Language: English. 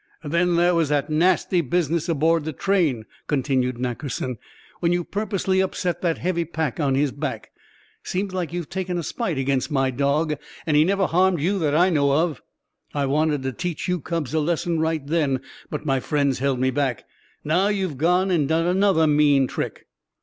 "Then there was that nasty business aboard the train," continued Nackerson, "when you purposely upset that heavy pack on his back. Seems like you've taken a spite against my dog, and he never harmed you that I know of. I wanted to teach you cubs a lesson right then, but my friends held me back. Now you've gone and done another mean trick."